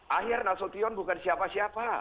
akhir nasution bukan siapa siapa